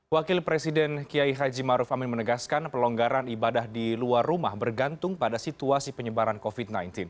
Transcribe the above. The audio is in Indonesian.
wakil presiden kiai haji maruf amin menegaskan pelonggaran ibadah di luar rumah bergantung pada situasi penyebaran covid sembilan belas